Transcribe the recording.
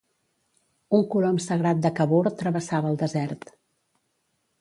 Un colom sagrat de Kabur travessava el desert.